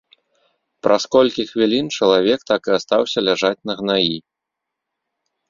Праз колькі хвілін чалавек так і астаўся ляжаць на гнаі.